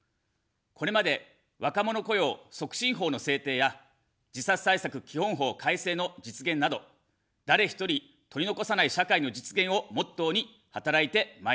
これまで若者雇用促進法の制定や自殺対策基本法改正の実現など、誰一人取り残さない社会の実現をモットーに働いてまいりました。